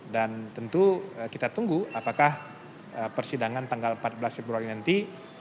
dan tentu kita tunggu apakah persidangan tanggal empat belas februari nanti